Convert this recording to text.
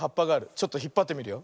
ちょっとひっぱってみるよ。